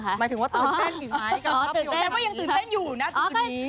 หมายถึงว่าตื่นเต้นอยู่ไหม